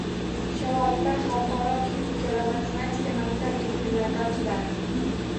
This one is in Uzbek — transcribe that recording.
Shovotda xalqaro fizika va matematika maktab-internati ochiladi